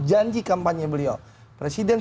janji kampanye beliau presiden